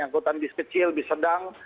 angkutan bis kecil bis sedang